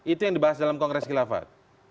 itu yang dibahas dalam kongres kilafat